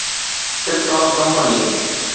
tick talk company